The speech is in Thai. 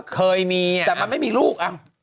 เคยมีแต่มันไม่มีลูก